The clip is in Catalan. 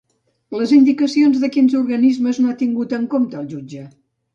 Les indicacions de quins organismes no ha tingut en compte el jutge?